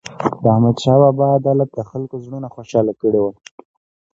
د احمدشاه بابا عدالت د خلکو زړونه خوشحال کړي وو.